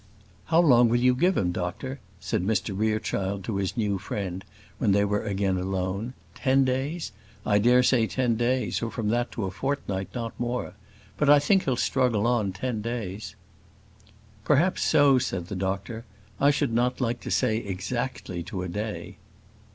"How long will you give him, doctor?" said Mr Rerechild to his new friend, when they were again alone. "Ten days? I dare say ten days, or from that to a fortnight, not more; but I think he'll struggle on ten days." "Perhaps so," said the doctor. "I should not like to say exactly to a day."